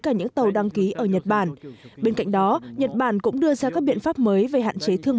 cả những tàu đăng ký ở nhật bản bên cạnh đó nhật bản cũng đưa ra các biện pháp mới về hạn chế thương